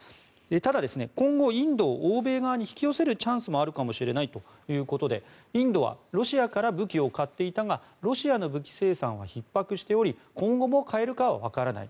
ただ、今後インドを欧米側に引き寄せるチャンスもあるかもしれないということでインドはロシアから武器を買っていたがロシアの武器生産はひっ迫しており今後も買えるかはわからない。